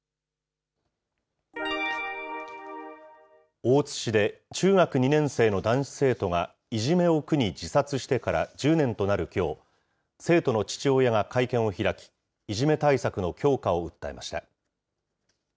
大津市で、中学２年生の男子生徒がいじめを苦に自殺してから１０年となるきょう、生徒の父親が会見を開き、いじめ対策の強化を訴えました。